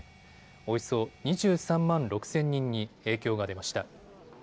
およそ２３万６０００人に影響が出ました。